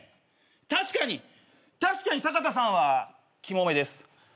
確かに確かにサカタさんはキモめです。